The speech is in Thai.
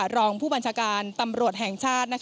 รองผู้บัญชาการตำรวจแห่งชาติ